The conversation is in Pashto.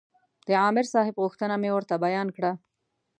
د عامر صاحب غوښتنه مې ورته بیان کړه.